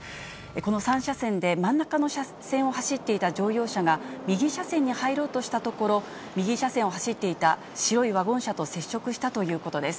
この３車線で真ん中の車線を走っていた乗用車が、右車線に入ろうとしたところ、右車線を走っていた白いワゴン車と接触したということです。